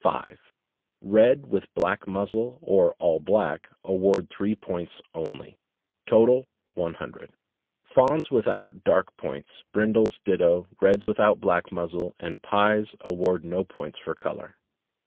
. 5 Red with black muzzle, or all black, award three points only. Total 1 00 Fawns without dark points, brindles ditto, reds without black muzzle, and pies award no points for color.